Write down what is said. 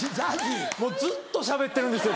ずっとしゃべってるんです